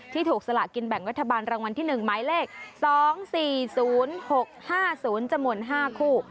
ถูกสละกินแบ่งรัฐบาลรางวัลที่๑หมายเลข๒๔๐๖๕๐จำนวน๕คู่